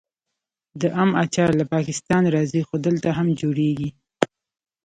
د ام اچار له پاکستان راځي خو دلته هم جوړیږي.